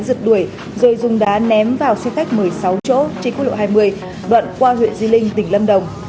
giật đuổi rồi dùng đá ném vào xe khách một mươi sáu chỗ trên quốc lộ hai mươi đoạn qua huyện di linh tỉnh lâm đồng